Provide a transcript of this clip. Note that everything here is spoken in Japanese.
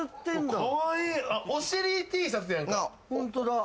お尻Ｔシャツやんか。